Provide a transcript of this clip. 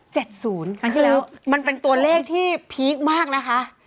คือมันเป็นตัวเลขที่พีคมากนะคะ